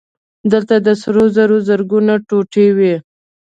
دلته د سرو زرو زرګونه ټوټې وې